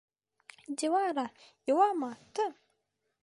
Дилара, илама, тым!